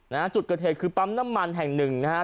นะฮะจุดเกิดเหตุคือปั๊มน้ำมันแห่งหนึ่งนะฮะ